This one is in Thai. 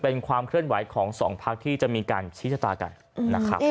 เป็นความเคลื่อนไหวของสองพักที่จะมีการชี้ชะตากันนะครับ